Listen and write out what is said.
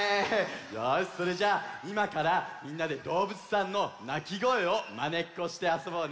よしそれじゃあいまからみんなでどうぶつさんのなきごえをまねっこしてあそぼうね。